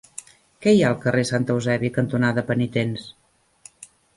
Què hi ha al carrer Sant Eusebi cantonada Penitents?